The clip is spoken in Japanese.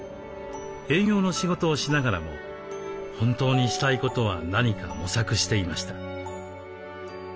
営業の仕事をしながらも本当にしたいことは何か模索していました。